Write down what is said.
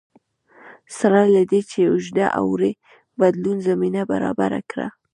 سره له دې چې اوږد اوړي بدلون زمینه برابره کړه